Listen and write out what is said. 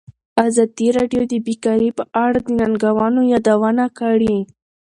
ازادي راډیو د بیکاري په اړه د ننګونو یادونه کړې.